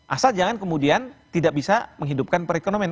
asal jangan kemudian tidak bisa menghidupkan perekonomian